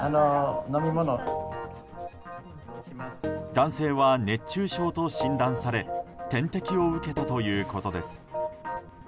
男性は熱中症と診断され点滴を受けたということです。